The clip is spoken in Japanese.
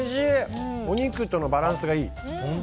お肉とのバランスがいい。